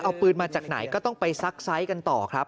เอาปืนมาจากไหนก็ต้องไปซักไซส์กันต่อครับ